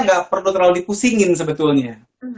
gak perlu terlalu di pusingin sebetulnya